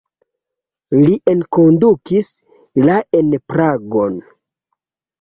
Li enkondukis la en Pragon.